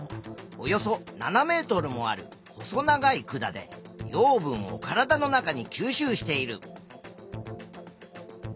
およそ７ｍもある細長い管で養分を体の中に吸収している。